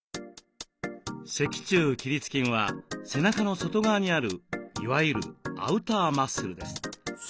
脊柱起立筋は背中の外側にあるいわゆるアウターマッスルです。